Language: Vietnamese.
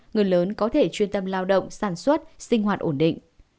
người lớn có thể chuyên tâm lao động sản xuất sinh hoạt ổn định